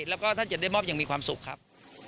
แล้วก็ท่านจะได้มอบอย่างมีความสุขครับ